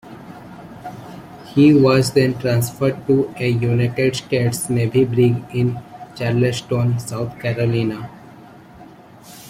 He was then transferred to a United States Navy brig in Charleston, South Carolina.